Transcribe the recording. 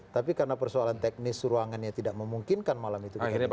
tapi karena persoalan teknis ruangannya tidak memungkinkan malam itu dihentikan